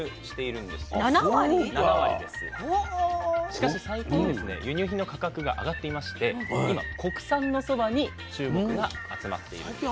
しかし最近ですね輸入品の価格が上がっていまして今国産のそばに注目が集まっているんです。